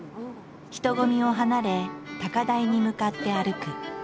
人混みを離れ高台に向かって歩く。